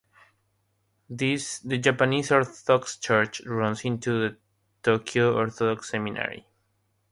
The Japanese Orthodox Church runs the Tokyo Orthodox Seminary.